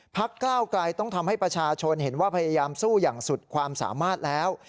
ก้าวไกลต้องทำให้ประชาชนเห็นว่าพยายามสู้อย่างสุดความสามารถแล้ว